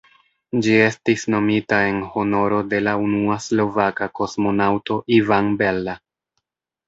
Ĝi estis nomita en honoro de la unua slovaka kosmonaŭto Ivan Bella.